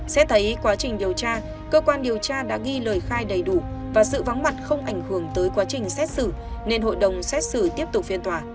xét thấy quá trình điều tra cơ quan điều tra đã ghi lời khai đầy đủ và sự vắng mặt không ảnh hưởng tới quá trình xét xử nên hội đồng xét xử tiếp tục phiên tòa